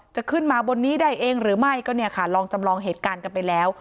จะขึ้นมาบนนี้ได้เองหรือไม่ก็เนี่ยค่ะลองจำลองเหตุการณ์กันไปแล้ว